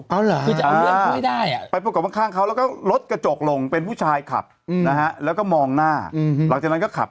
พี่ได้ถูกข้างเขาก็รถกระจกลงเป็นผู้ชายขับแล้วก็มองหน้าหัวจะก็ขับ